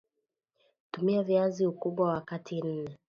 Tumia Viazi Ukubwa wa kati nne